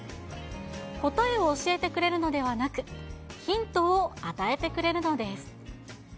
答えを教えてくれるのではなく、ヒントを与えてくれるのです。